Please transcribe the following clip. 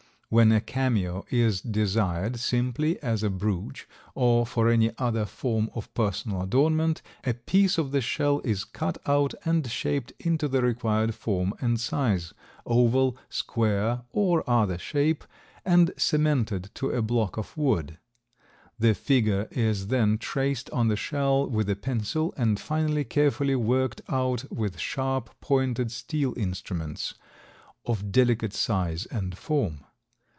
When a cameo is desired simply as a brooch or for any other form of personal adornment, a piece of the shell is cut out and shaped into the required form and size—oval, square or other shape—and cemented to a block of wood. The figure is then traced on the shell with a pencil and finally carefully worked out with sharp, pointed steel instruments, of delicate size and form.